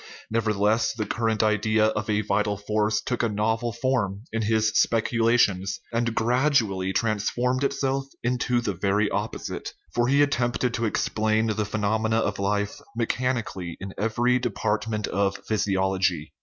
Nevertheless, the current idea of a vital force took a novel form in his speculations, and gradually trans formed itself into the very opposite. For he attempted to explain the phenomena of life mechanically in every department of physiology.